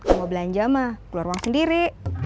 mau belanja mah keluar uang sendiri